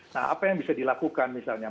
nah apa yang bisa dilakukan misalnya